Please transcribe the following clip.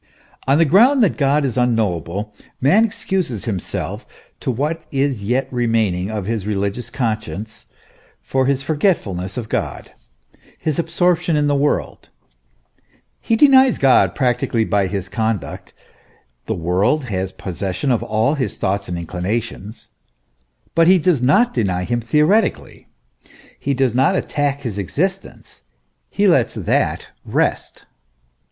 On the ground that God is unknowable, man excuses himself to what is yet remaining of his religious conscience for his forgetfulness of God, his absorption in the world : he denies God practically by his conduct, the world has possession of all his thoughts and inclinations, but he does not deny him theoretically, he does not attack his existence ; he lets that rest.